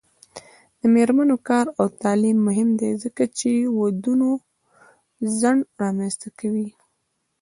د میرمنو کار او تعلیم مهم دی ځکه چې ودونو ځنډ رامنځته کوي.